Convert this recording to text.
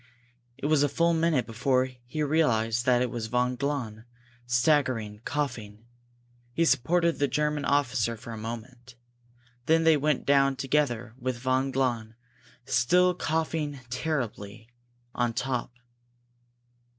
It was a full minute before he realized that it was von Glahn, staggering, coughing. He supported the German officer for a moment. Then they went down together with von Glahn, still coughing terribly, on top.